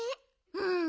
うん。